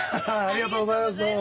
ありがとうございます。